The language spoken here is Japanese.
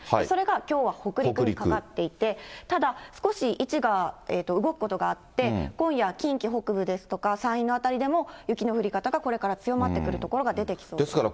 それがきょうは北陸にかかっていて、ただ、少し位置が動くことがあって、今夜、近畿北部ですとか、山陰の辺りでも、雪の降り方が、これから強まってくる所が出てきそうです。